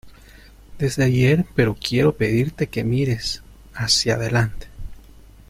desde ayer, pero quiero pedirte que mires hacia adelante.